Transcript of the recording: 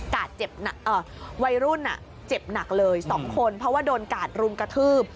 กาดเจ็บหนักเอ่อวัยรุ่นอะเจ็บหนักเลย๒คนเพราะว่าโดนกาดรุมกระทืบ